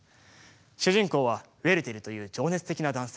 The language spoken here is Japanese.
主人公はウェルテルという情熱的な男性。